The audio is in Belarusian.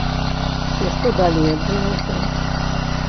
І што далей адбылося?